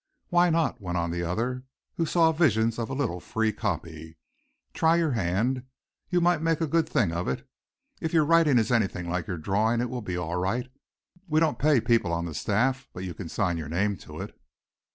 "Why not," went on the other, who saw visions of a little free copy. "Try your hand. You might make a good thing of it. If your writing is anything like your drawing it will be all right. We don't pay people on the staff, but you can sign your name to it."